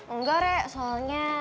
enggak rek soalnya